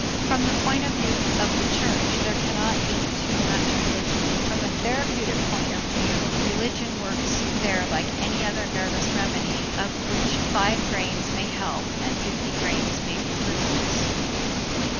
From the point of view of the church, there cannot be too much religion; from a therapeutic point of view, religion works there like any other nervous remedy of which five grains may help and fifty grains may be ruinous.